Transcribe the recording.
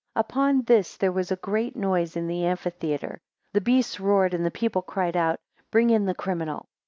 12 Upon this there was a great noise in the amphitheatre; the beasts roared, and the people cried out, Bring in the criminal.